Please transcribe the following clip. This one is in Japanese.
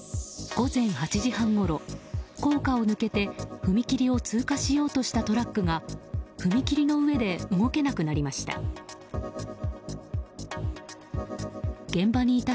午前８時半ごろ高架を抜けて踏切を通過しようとしたトラックが踏切の上で動けなくなりました。